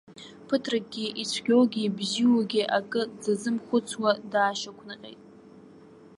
Ԥыҭракгьы ицәгьоугьы ибзиоугьы акы дзазымхәыцуа даашьақәнаҟьеит.